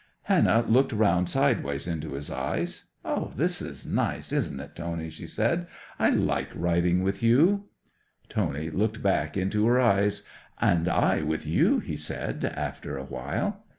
'Hannah looked round sideways into his eyes. "This is nice, isn't it, Tony?" she says. "I like riding with you." 'Tony looked back into her eyes. "And I with you," he said after a while.